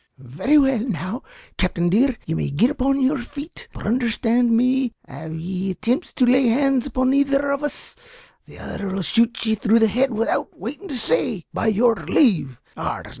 "Very well. Now, captin dear, ye may get upon your feet; but understand me av ye attimpts to lay hands upon either ov us, the other'll shoot ye through the head widout waitin' to say, `By your lave.'